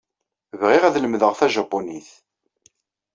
Bɣiɣ ad lemdeɣ tajapunit.